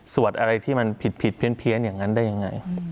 สวดอะไรที่มันผิดผิดเพี้ยนเพี้ยนอย่างนั้นได้ยังไง